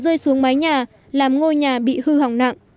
rơi xuống mái nhà làm ngôi nhà bị hư hỏng nặng